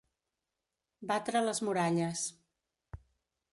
Batre les muralles.